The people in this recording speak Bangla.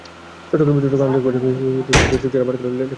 চট্টগ্রামের আঞ্চলিক ভাষায় রচিত স্বরচিত ছড়া পাঠ করেন লেখক সুব্রত চৌধুরি।